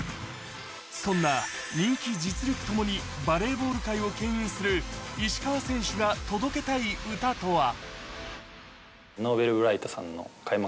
そんな人気、実力ともにバレーボール界をけん引する石川選手が届けたい歌とは？